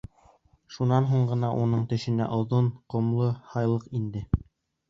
Шунан һуң ғына уның төшөнә оҙон, ҡомло һайлыҡ инде.